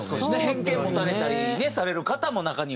偏見持たれたりねされる方も中には。